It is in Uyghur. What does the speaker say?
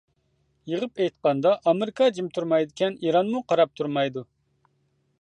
يىغىپ ئېيتقاندا ئامېرىكا جىم تۇرمايدىكەن ئىرانمۇ قاراپ تۇرمايدۇ.